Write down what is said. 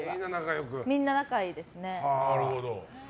みんな仲いいですね。